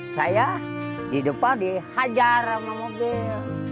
saya di depan dihajar sama mobil